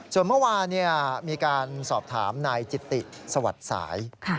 ส่วนเมื่อวานมีการสอบถามนายจิตติสวัสดิ์สาย